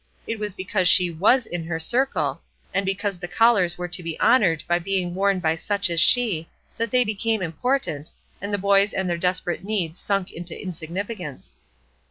It was because she was in her circle, and because the collars were to be honored by being worn by such as she, that they became important, and the boys and their desperate needs sunk into insignificance.